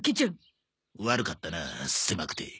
悪かったな狭くて。